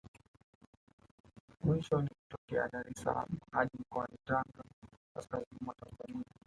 Mwisho ni kutokea Dar es salaam hadi mkoani Tanga kaskazini mwa Tanzania